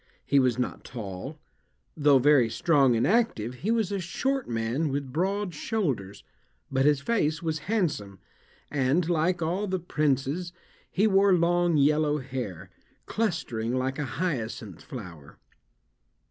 He was not tall; though very strong and active, he was a short man with broad shoulders, but his face was handsome, and, like all the princes, he wore long yellow hair, clustering like a hyacinth flower.